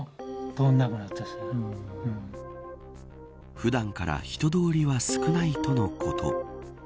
普段から人通りは少ないとのこと。